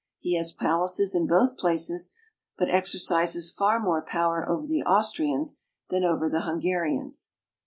He has palaces in both places, but exercises far more power over the Austrians than over the Hungarians.